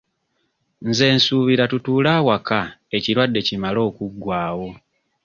Nze nsuubira tutuule awaka ekirwadde kimale okuggwawo.